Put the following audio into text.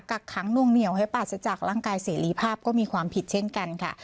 กักขังนวงเหนียวให้ปราศจากร่างกายเสรีภาพก็มีความผิดเช่นกันค่ะ